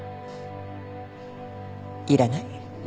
いらない。